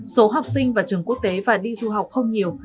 số học sinh vào trường quốc tế và đi du học không nhiều